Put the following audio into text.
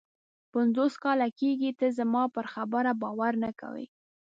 پنځوس کاله کېږي ته زما پر خبره باور نه کوې.